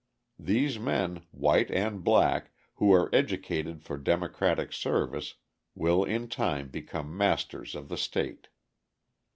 These men, white and black, who are educated for democratic service will in time become masters of the state.